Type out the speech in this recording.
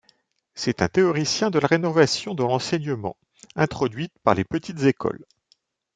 C'est un théoricien de la rénovation de l'enseignement introduite par les Petites-Écoles.